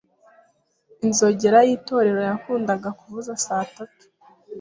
Inzogera yitorero yakundaga kuvuza saa tatu.